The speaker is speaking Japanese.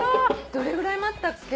どれぐらい待ったっけ？